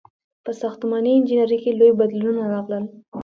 • په ساختماني انجینرۍ کې لوی بدلونونه راغلل.